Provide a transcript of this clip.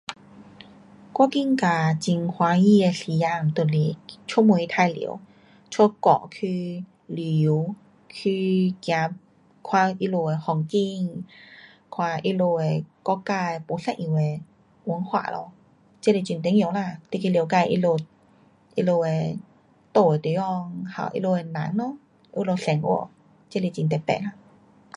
我觉得很开心的时间就是出门玩耍。出国去旅游。去走，看他们的风景。看他们的国家不一样的文化咯。这是很重要啦。你去了解他们的住的地方，还有他们的人喽，他们生活。这是很特别。